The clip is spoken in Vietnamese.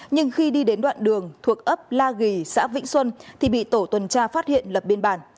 nhưng khi đi đến đoạn đường thuộc ấp la ghi xã vĩnh xuân thì bị tổ tuần tra phát hiện lập biên bản